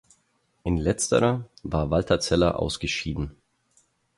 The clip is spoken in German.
In letzterer war Walter Zeller ausgeschieden.